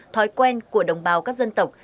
thói quen của đồng bào các dân tộc